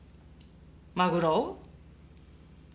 マグロを？